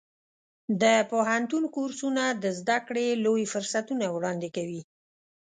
د پوهنتون کورسونه د زده کړې لوی فرصتونه وړاندې کوي.